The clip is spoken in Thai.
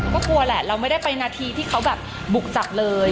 ก็กลัวแหละเราไม่ได้ไปนาทีที่เขาแบบบุกจับเลย